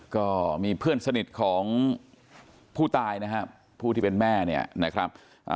ก็มีเพื่อนสนิทของผู้ตายนะครับผู้ที่เป็นแม่เนี่ยนะครับ